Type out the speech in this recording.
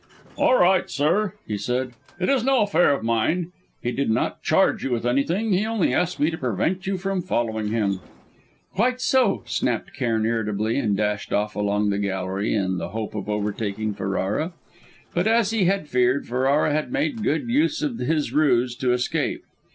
"All right, sir," he said, "it is no affair of mine; he did not charge you with anything he only asked me to prevent you from following him." "Quite so," snapped Cairn irritably, and dashed off along the gallery in the hope of overtaking Ferrara. But, as he had feared, Ferrara had made good use of his ruse to escape.